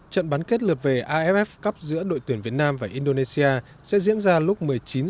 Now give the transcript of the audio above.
trận bán kết lượt về aff cup giữa đội tuyển việt nam và indonesia sẽ diễn ra lúc một mươi chín h